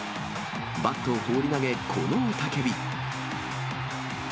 バットを放り投げ、この雄たけび。